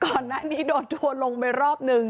ก่อนหน้านี้โดนทัวร์ลงไปรอบนึง